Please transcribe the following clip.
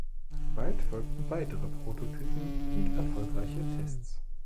Bald folgten weitere Prototypen und erfolgreiche Tests.